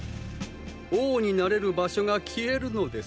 王になれる場所が消えるのです。